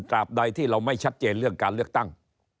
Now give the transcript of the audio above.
บใดที่เราไม่ชัดเจนเรื่องการเลือกตั้ง